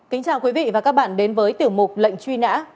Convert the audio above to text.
kính chào quý vị và các bạn đến với tiểu mục lệnh truy nã